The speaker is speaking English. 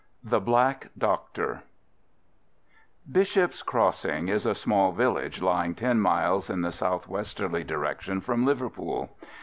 THE BLACK DOCTOR Bishop's Crossing is a small village lying ten miles in a south westerly direction from Liverpool.